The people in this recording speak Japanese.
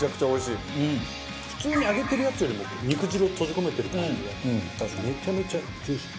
普通に揚げてるやつよりも肉汁を閉じ込めてる感じでめちゃめちゃジューシー。